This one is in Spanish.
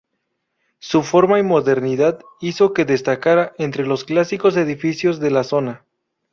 Su forma y modernidad hizo que destacara entre los clásicos edificios de la zona.